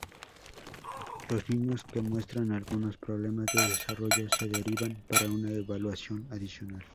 Los niños que muestran algunos problemas de desarrollo se derivan para una evaluación adicional.